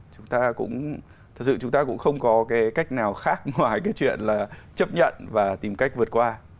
chúng ta cũng thật sự chúng ta cũng không có cái cách nào khác ngoài cái chuyện là chấp nhận và tìm cách vượt qua